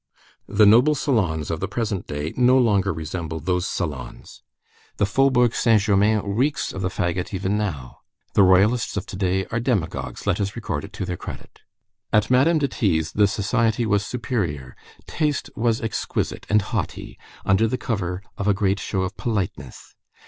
The "noble" salons of the present day no longer resemble those salons. The Faubourg Saint Germain reeks of the fagot even now. The Royalists of to day are demagogues, let us record it to their credit. At Madame de T.'s the society was superior, taste was exquisite and haughty, under the cover of a great show of politeness.